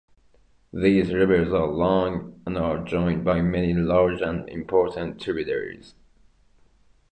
These rivers are long, and are joined by many large and important tributaries.